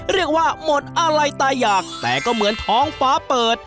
เรียกว่าหมดอะไรตายอยากแต่ก็เหมือนท้องฟ้าเปิด